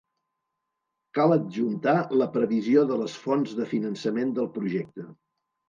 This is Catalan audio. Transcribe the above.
Cal adjuntar la previsió de les fonts de finançament del projecte.